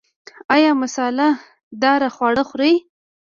ایا مساله داره خواړه خورئ؟